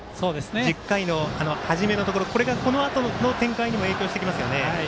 １０回の初めのところこれがこのあとの展開にも影響してきますよね。